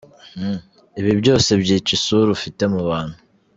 Ibi byose byica isura ufite mu bantu.